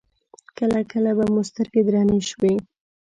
کله کله به مو سترګې درنې شوې.